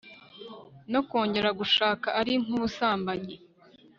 no kongera gushaka ari nk'ubusambanyi